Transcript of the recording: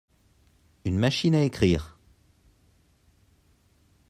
Une machine à écrire.